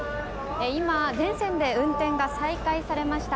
今、全線で運転が再開されました。